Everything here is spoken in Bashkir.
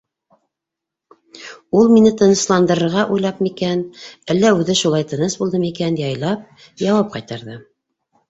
Ул мине тынысландырырға уйлапмы икән, әллә үҙе шулай тыныс булдымы икән, яйлап яуап ҡайтарҙы: